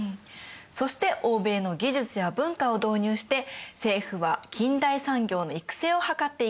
そして欧米の技術や文化を導入して政府は近代産業の育成を図っていきます。